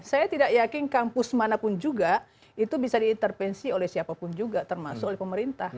saya tidak yakin kampus manapun juga itu bisa diintervensi oleh siapapun juga termasuk oleh pemerintah